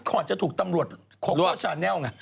ก่อนจะถูกตำรวจครอบครัวชาแนล